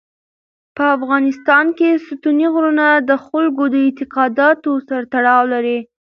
په افغانستان کې ستوني غرونه د خلکو د اعتقاداتو سره تړاو لري.